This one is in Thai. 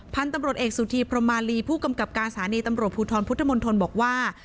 พันธุ์ตำรวจเอกสุธีพรมมาลีผู้กำกับการสถานีตำรวจภูทรพุทธมนตรบอกว่า